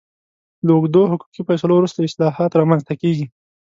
له اوږدو حقوقي فیصلو وروسته اصلاحات رامنځته کېږي.